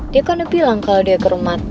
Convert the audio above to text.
dia kan bilang kalau dia ke rumah